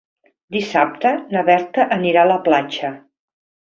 Dissabte na Berta anirà a la platja.